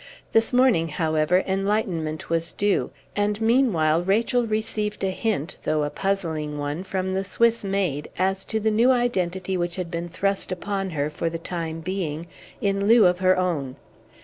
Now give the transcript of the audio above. This morning, however, enlightenment was due, and meanwhile Rachel received a hint, though a puzzling one, from the Swiss maid, as to the new identity which had been thrust upon her for the time being in lieu of her own.